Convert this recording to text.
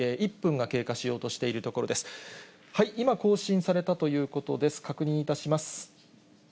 はい、今更新されたということです。